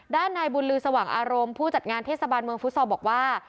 ด้านนายบุญลือสว่างอารมณ์ผู้จัดงานเทศบาลเมืองฟุตซอลบอกว่า